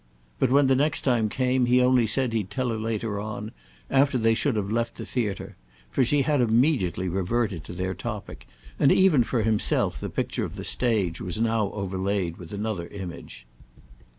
But when the next time came he only said he'd tell her later on—after they should have left the theatre; for she had immediately reverted to their topic, and even for himself the picture of the stage was now overlaid with another image.